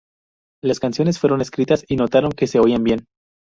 Las canciones fueron escritas y notaron que se oían bien.